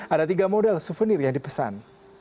ada tiga model souvenir yang dipesan